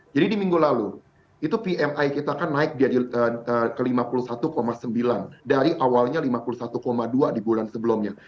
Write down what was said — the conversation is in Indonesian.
jadi di minggu lalu itu pmi kita kan naik ke lima puluh satu sembilan dari awalnya lima puluh satu dua di bulan sebelumnya